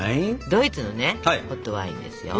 ドイツのねホットワインですよ。